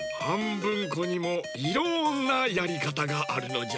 ぶんこにもいろんなやりかたがあるのじゃ。